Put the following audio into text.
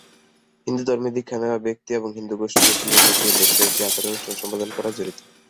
হিন্দুধর্মে দীক্ষা নেওয়া ব্যক্তি এবং হিন্দু গোষ্ঠীর উপর নির্ভর করে বেশ কয়েকটি আচার অনুষ্ঠান সম্পাদন করা জড়িত।